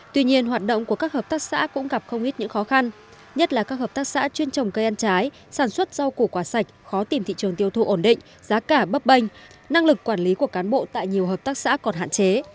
tuy nhiên hoạt động của các hợp tác xã cũng gặp không ít những khó khăn nhất là các hợp tác xã chuyên trồng cây ăn trái sản xuất rau củ quả sạch khó tìm thị trường tiêu thụ ổn định giá cả bấp bênh năng lực quản lý của cán bộ tại nhiều hợp tác xã còn hạn chế